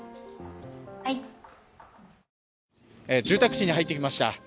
住宅地に入ってきました。